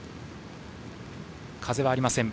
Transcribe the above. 風はありません。